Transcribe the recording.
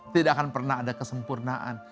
tidak akan pernah ada kesempurnaan